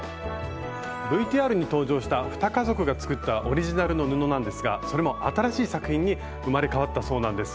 ＶＴＲに登場した２家族が作ったオリジナルの布なんですがそれも新しい作品に生まれ変わったそうなんです。